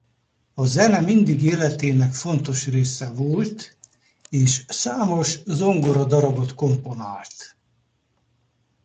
A zene mindig életének fontos része volt és számos zongoradarabot komponált.